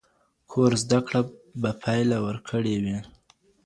کور زده کړه به پایله ورکړې وي.